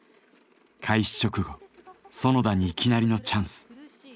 開始直後園田にいきなりのチャンス。